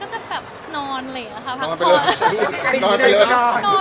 ถึงชั้นตื่นมาละครับค่ะ